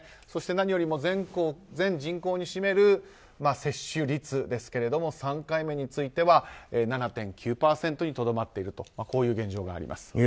そして何よりも全人口に占める接種率ですが３回目については７．９％にとどまっている現状があります。